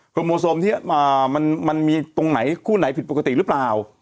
โมโซมที่มันมีตรงไหนคู่ไหนผิดปกติหรือเปล่า